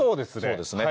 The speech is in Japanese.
そうですね。